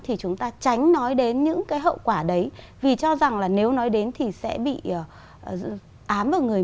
thì chúng ta tránh nói đến những cái hậu quả đấy vì cho rằng là nếu nói đến thì sẽ bị ám vào người